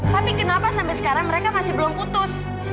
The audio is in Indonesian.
tapi kenapa sampai sekarang mereka masih belum putus